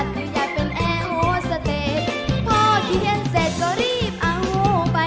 ครับถ้าพร้อมแล้วก็มาเลยครับเพลงที่๑นะครับเพลงนี้มีมูลค่า๑๐๐๐๐บาท